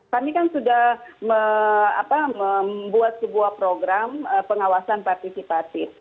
kami kan sudah membuat sebuah program pengawasan partisipatif